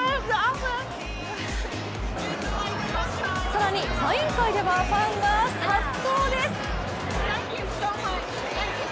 更にサイン会ではファンが殺到です。